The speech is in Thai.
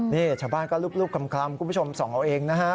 นี่ชาวบ้านก็รูปคลำคุณผู้ชมส่องเอาเองนะฮะ